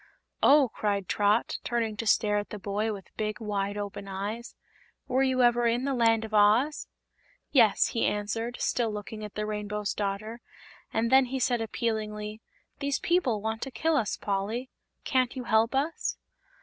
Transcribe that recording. "Oh!" cried Trot, turning to stare at the boy with big, wide open eyes; "were you ever in the Land of Oz?" "Yes," he answered, still looking at the Rainbow's Daughter; and then he said appealingly: "These people want to kill us, Polly. Can't you help us?"